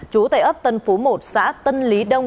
chú tại ấp tân phú một xã tân lý đông